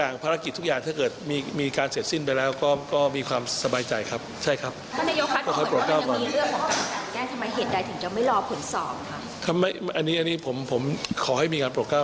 นะครับขอบคุณครับ